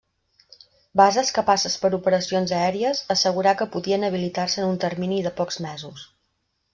Bases capaces per operacions aèries, assegurà que podien habilitar-se en un termini de pocs mesos.